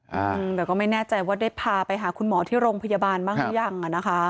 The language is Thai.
อืมแต่ก็ไม่แน่ใจว่าได้พาไปหาคุณหมอที่โรงพยาบาลบ้างหรือยังอ่ะนะคะ